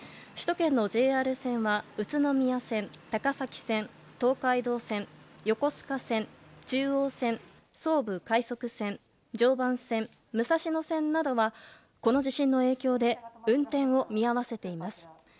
首都圏のＪＲ線は宇都宮線、高崎線東海道線、横須賀線中央線、総武快速線常磐線、武蔵野線などはこの地震の影響で運転を見合わせています。